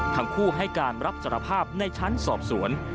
ทั้งคู่ให้การรับสารภาพในชั้นสอบสวน